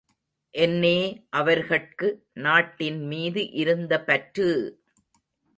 என்னே அவர்கட்கு நாட்டின் மீது இருந்த பற்று!